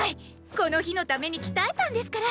この日のために鍛えたんですから！